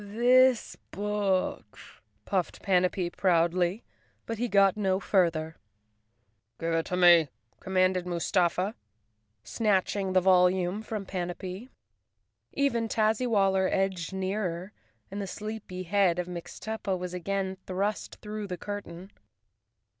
"This book," puffed Panapee proudly—but he got no further. " Give it to me," commanded Mustafa, snatching the volume from Panapee. Even Tazzywaller edged nearer, and the sleepy head of Mixtuppa was again thrust through the curtain.